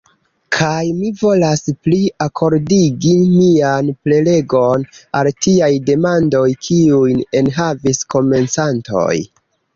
Kaj mi volas pli akordigi mian prelegon al tiaj demandoj, kiujn enhavis komencantoj.